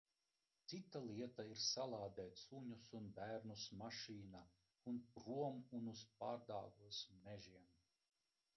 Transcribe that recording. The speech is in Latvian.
Cita lieta ir salādēt suņus un bērnus mašīnā un prom un uz Pārdaugavas mežiem.